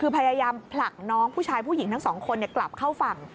คือพยายามผลักน้องผู้ชายผู้หญิงทั้งสองคนกลับเข้าฝั่ง